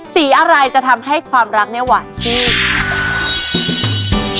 สีอะไรจะทำให้ความรักเนี่ยหวานชื่น